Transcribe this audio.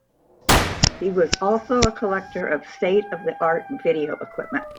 He was also a collector of state of the art video equipment.